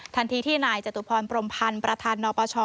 ทันทีที่นายจตุพรพรมพันธ์ประธานนปช